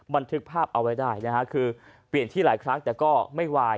บันทึกภาพเอาไว้ได้นะฮะคือเปลี่ยนที่หลายครั้งแต่ก็ไม่วาย